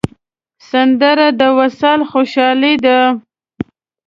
سندره د وصال خوشحالي ده